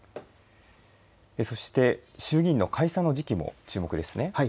そして、衆議院の解散の時期も注目ですね。